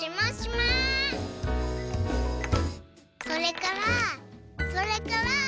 それからそれから。